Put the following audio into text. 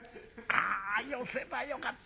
あよせばよかった。